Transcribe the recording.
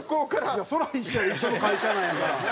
いやそりゃあ一緒の会社なんやから。